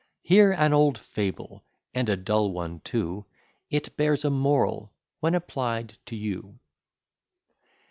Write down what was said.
Hear an old fable, and a dull one too; It bears a moral when applied to you.